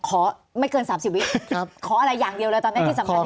ขอไม่เกิน๓๐วิขออะไรอย่างเดียวเลยตอนนี้ที่สำคัญ